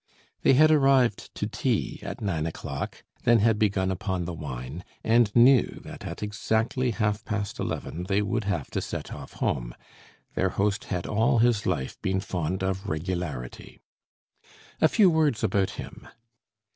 They had arrived to tea at nine o'clock, then had begun upon the wine, and knew that at exactly half past eleven they would have to set off home. Their host had all his life been fond of regularity. A few words about him.